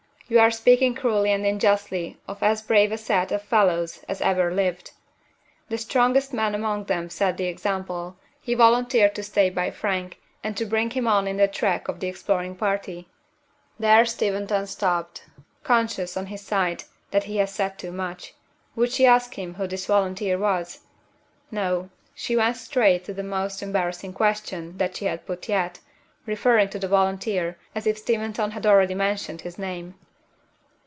"You are speaking cruelly and unjustly of as brave a set of fellows as ever lived! The strongest man among them set the example; he volunteered to stay by Frank, and to bring him on in the track of the exploring party." There Steventon stopped conscious, on his side, that he had said too much. Would she ask him who this volunteer was? No. She went straight on to the most embarrassing question that she had put yet referring to the volunteer, as if Steventon had already mentioned his name.